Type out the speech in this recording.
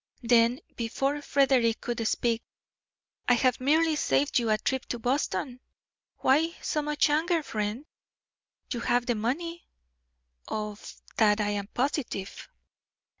Then, before Frederick could speak: "I have merely saved you a trip to Boston; why so much anger, friend? You have the money; of that I am positive."